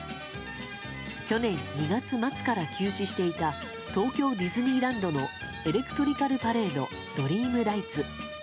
去年２月末から休止していた東京ディズニーランドの「エレクトリカルパレード・ドリームライツ」。